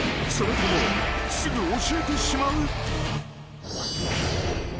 それともすぐ教えてしまう？］